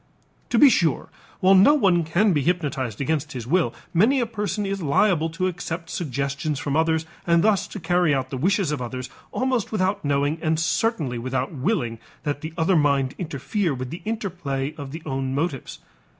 To be sure, while no one can be hypnotized against his will, many a person is liable to accept suggestions from others and thus to carry out the wishes of others almost without knowing and certainly without willing that the other mind interfere with the interplay of the own motives.